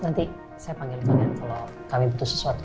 nanti saya panggil kalian kalau kami putus sesuatu ya